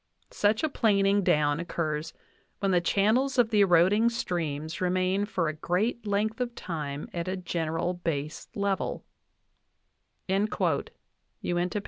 ... Such a planing down occurs when the channels of the eroding streams remain for a great length of time at a general base level" (Uinta, 27).